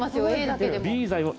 Ａだけでも。